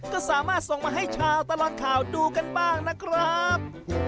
ก็สามารถส่งมาให้ชาวตลอดข่าวดูกันบ้างนะครับ